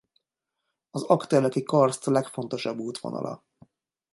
Az Aggteleki-karszt legfontosabb útvonala.